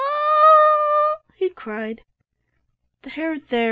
"Ou u u!" he cried. "There, there!"